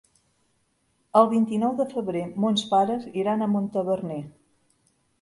El vint-i-nou de febrer mons pares iran a Montaverner.